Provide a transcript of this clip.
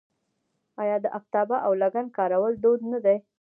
آیا د افتابه او لګن کارول دود نه دی؟